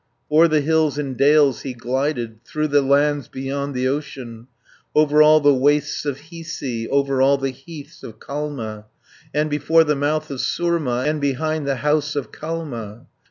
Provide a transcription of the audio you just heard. O'er the hills and dales he glided, Through the lands beyond the ocean, 150 Over all the wastes of Hiisi, Over all the heaths of Kalma, And before the mouth of Surma, And behind the house of Kalma.